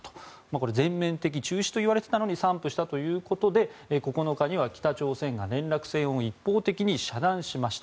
これ、全面的中止といわれていたのに散布したということで９日には北朝鮮が連絡線を一方的に遮断しました。